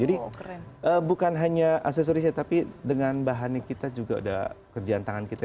jadi bukan hanya aksesorisnya tapi dengan bahan yang kita juga udah kerjaan tangan kita